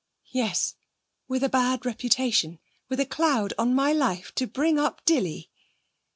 'Yes. With a bad reputation, with a cloud on my life, to bring up Dilly!'